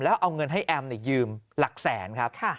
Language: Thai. แล้วเอาเงินให้แอมยืมหลักแสนครับ